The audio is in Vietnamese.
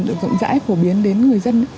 được rộng rãi phổ biến đến người dân